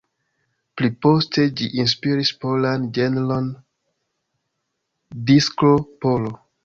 Pli poste ĝi inspiris polan ĝenron disko-polo.